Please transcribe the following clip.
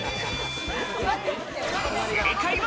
正解は？